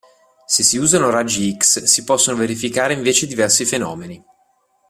Se si usano raggi X si possono verificare invece diversi fenomeni.